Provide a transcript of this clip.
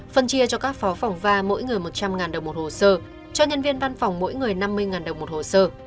phân chia cho các phó phòng va mỗi người một trăm linh đồng một hồ sơ cho nhân viên văn phòng mỗi người năm mươi đồng một hồ sơ